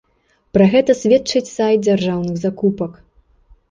Пра гэта сведчыць сайт дзяржаўных закупак.